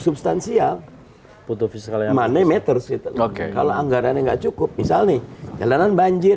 substansial putus kalian mana meter setelah kalau anggarannya enggak cukup misalnya jalanan banjir